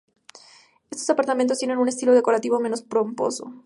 Estos apartamentos tienen un estilo decorativo menos pomposo.